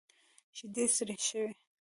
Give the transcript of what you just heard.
شيدې سرې شوې.